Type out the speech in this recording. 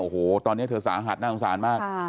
โอ้โหตอนนี้เธอสาหัสน่าสงสารมาก